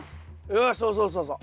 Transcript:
よしそうそうそうそう。